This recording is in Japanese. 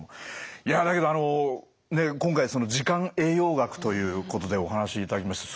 いやだけどあの今回時間栄養学ということでお話しいただきました。